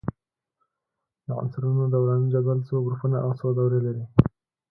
د عنصرونو دوراني جدول څو ګروپونه او څو دورې لري؟